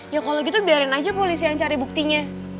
ya kalau gitu biarin aja polisi yang cari buktinya